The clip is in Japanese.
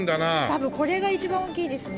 多分これが一番大きいですね。